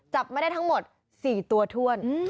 จับมาได้ทั้งหมด๔ตัวถ้วน